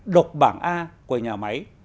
độc bảng a của nhà máy